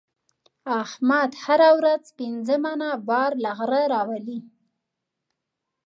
احمد هره ورځ پنځه منه بار له غره راولي.